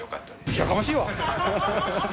やかましいわ！